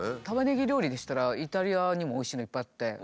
タマネギ料理でしたらイタリアにもおいしいのいっぱいあって。